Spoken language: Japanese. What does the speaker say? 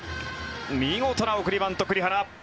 見事な送りバント、栗原。